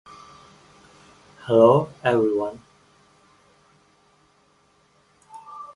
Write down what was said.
After submitting to certain rites, she is again free to mingle with her fellows.